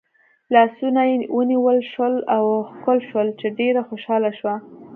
لاسونه یې ونیول شول او ښکل شول چې ډېره خوشحاله شوه.